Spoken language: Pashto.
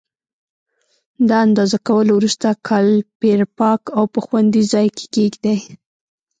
د اندازه کولو وروسته کالیپر پاک او په خوندي ځای کې کېږدئ.